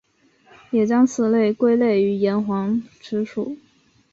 也将此类归类于岩黄蓍属。